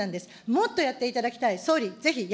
もっとやっていただきたい。